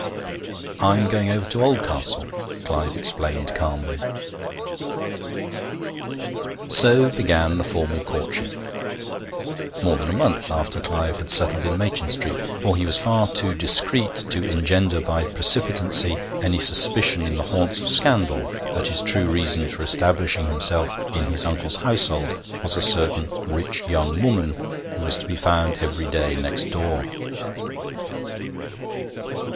'I am going over to Oldcastle,' Clive explained calmly. So began the formal courtship more than a month after Clive had settled in Machin Street, for he was far too discreet to engender by precipitancy any suspicion in the haunts of scandal that his true reason for establishing himself in his uncle's household was a certain rich young woman who was to be found every day next door.